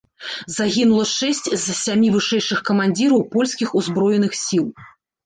Загінула шэсць з сямі вышэйшых камандзіраў польскіх узброеных сіл.